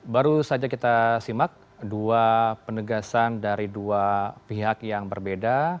baru saja kita simak dua penegasan dari dua pihak yang berbeda